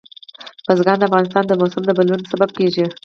بزګان د افغانستان د موسم د بدلون سبب کېږي.